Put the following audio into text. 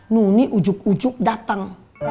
nuni ujuk ujuk datang